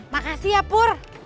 makasih ya pur